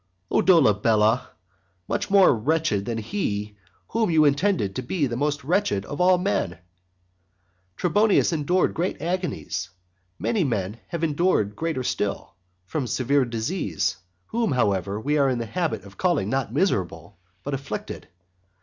IV. O Dolabella, much more wretched than he whom you intended to be the most wretched of all men! Trebonius endured great agonies, many men have endured greater still, from severe disease, whom, however, we are in the habit of calling not miserable, but afflicted.